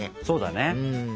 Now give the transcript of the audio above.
そうだね。